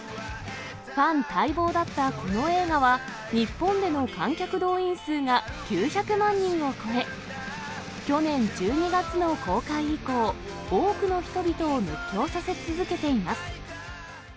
ファン待望だったこの映画は、日本での観客動員数が９００万人を超え、去年１２月の公開以降、多くの人々を熱狂させ続けています。